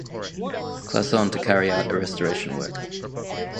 Clason to carry out a restoration work.